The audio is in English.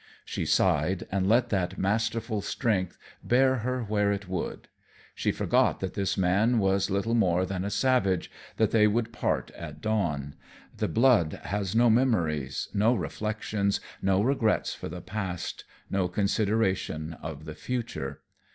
She sighed and let that masterful strength bear her where it would. She forgot that this man was little more than a savage, that they would part at dawn. The blood has no memories, no reflections, no regrets for the past, no consideration of the future.